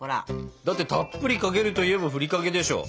だってたっぷりかけるといえばふりかけでしょ。